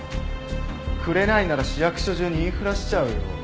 くれないなら市役所中に言いふらしちゃうよ。